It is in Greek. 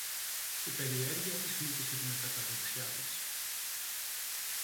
Η περιέργεια της νίκησε την ακαταδεξιά της.